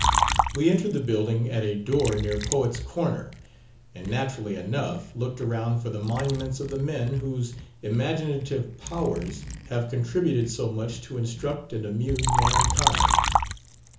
We entered the building at a door near Poets' Corner, and, naturally enough, looked around for the monuments of the men whose imaginative powers have contributed so much to instruct and amuse mankind.